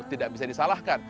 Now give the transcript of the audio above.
tidak bisa disalahkan